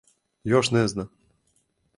Још не зна?